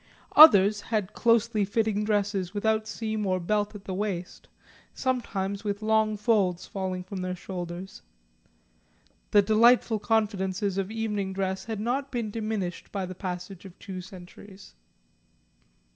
Others had closely fitting dresses without seam or belt at the waist, sometimes with long folds falling from the shoulders. The delightful confidences of evening dress had not been diminished by the passage of two centuries.